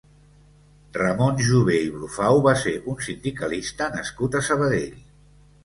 Ramon Jové i Brufau va ser un sindicalista nascut a Sabadell.